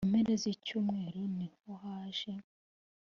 Mumpera z’ icyumweru nihoyaje.